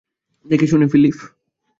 দেখেশুনে, ফিলিপ।